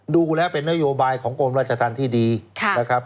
ดูแล้วเป็นนโยบายของโรงพยาบาลราชทันที่ดีนะครับ